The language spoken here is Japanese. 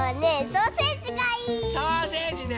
ソーセージね！